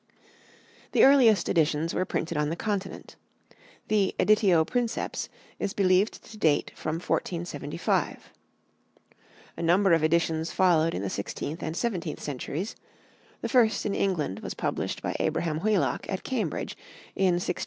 The earliest editions were printed on the Continent; the "editio princeps" is believed to date from 1475. A number of editions followed in the sixteenth and seventeenth centuries; the first in England was published by Abraham Whelock at Cambridge in 1643 4.